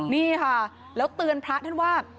นี่ค่ะแล้วเตือนพระท่านว่า